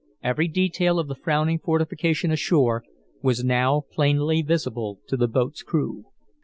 Every detail of the frowning fortification ashore was now plainly visible to the boat's crew.